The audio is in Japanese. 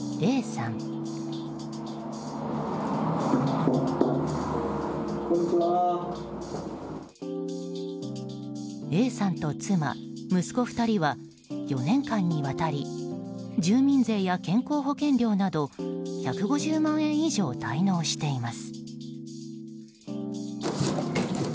Ａさんと妻、息子２人は４年間にわたりＡさんと妻、息子２人は４年間にわたり住民税や健康保険料など１５０万円以上を滞納しています。